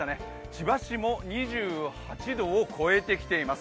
千葉市も２８度を超えてきています。